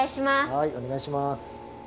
はいおねがいします。